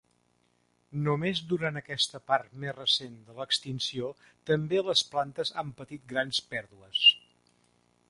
Només durant aquesta part més recent de l'extinció també les plantes han patit grans pèrdues.